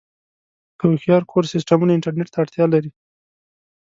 د هوښیار کور سیسټمونه انټرنیټ ته اړتیا لري.